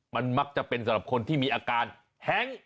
มันมักจะเป็นสำหรับคนที่มีอาการแฮ้ง